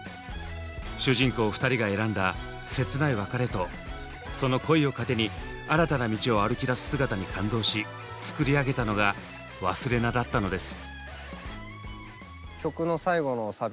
主人公２人が選んだ切ない別れとその恋を糧に新たな道を歩きだす姿に感動し作り上げたのが「勿忘」だったのです。